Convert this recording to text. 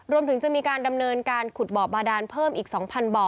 รวมถึงจะมีการดำเนินการขุดบ่อบาดานเพิ่มอีก๒๐๐บ่อ